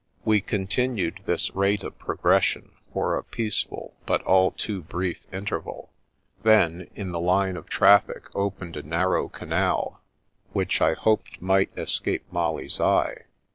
We continued this rate of progression for a peaceful but all too brief interval; then in the line of traffic opened a narrow canal which I hoped might escape Molly's eye.